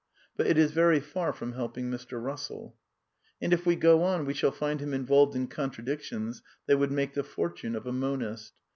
But it is very far from helping Mr. Russell. And if we go on we shall find him involved in contra dictions that would make the fortune of a monist.